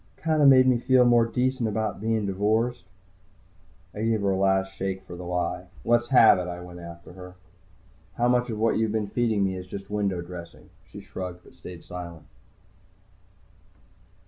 "Kind of made me feel more decent about bein' divorced." I gave her a last shake for the lie. "Let's have it," I went after her. "How much of what you've been feeding me is just window dressing?" She shrugged, but stayed silent.